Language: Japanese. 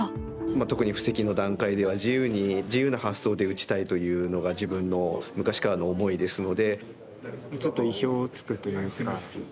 特に布石の段階では自由に自由な発想で打ちたいというのが自分の昔からの思いですので。